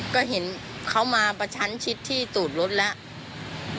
ก็เห็นเขามาประชันชิดที่ตูดรถแล้ว